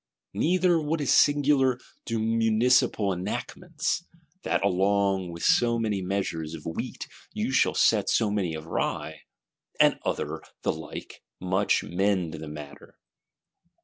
Neither, what is singular, do municipal enactments, "That along with so many measures of wheat you shall sell so many of rye," and other the like, much mend the matter.